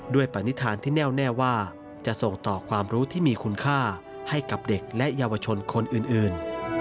ปณิธานที่แน่วแน่ว่าจะส่งต่อความรู้ที่มีคุณค่าให้กับเด็กและเยาวชนคนอื่น